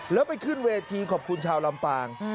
แล้วไปขึ้นเวทีขอบคุณชาวลำปาง